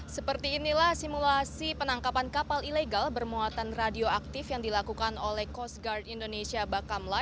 seperti inilah simulasi penangkapan kapal ilegal bermuatan radioaktif yang dilakukan oleh coast guard indonesia bakamla